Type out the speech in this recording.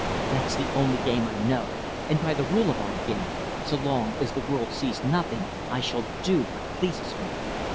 That's the only game I know, and, by the rule of our game, so long as the world sees nothing, I shall do what pleases me.